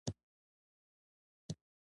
کاش هغه تباهۍ ووینې نو بیا به دا خبرې نه کوې